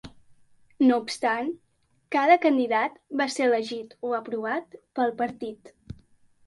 No obstant, cada candidat va ser elegit o aprovat pel partit.